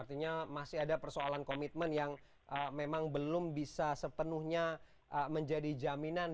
artinya masih ada persoalan komitmen yang memang belum bisa sepenuhnya menjadi jaminan